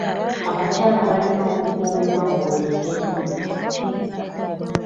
Abakyala balina okukuumibwa mu buli ngeri yonna.